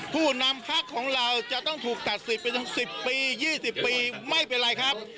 ผู้นำพักของเราจะต้องถูกตัดสิบเป็นสิบปียี่สิบปีไม่เป็นไรครับ